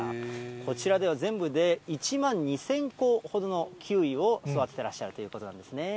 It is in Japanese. こちらでは、全部で１万２０００個ほどのキウイを育ててらっしゃるということなんですね。